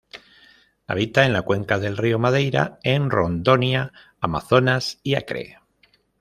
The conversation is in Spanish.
Habita en la cuenca del río Madeira en Rondônia, Amazonas y Acre.